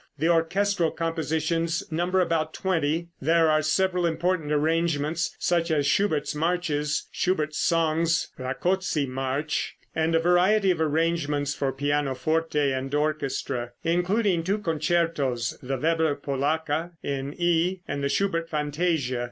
The orchestral compositions number about twenty. There are several important arrangements, such as Schubert marches, Schubert's songs, "Rakoczy March," and a variety of arrangements for pianoforte and orchestra, including two concertos, the Weber Polacca in E, and the Schubert fantasia.